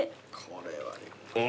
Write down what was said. これは。